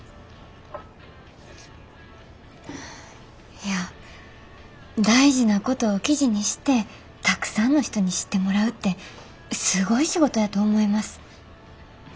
いや大事なことを記事にしてたくさんの人に知ってもらうってすごい仕事やと思います。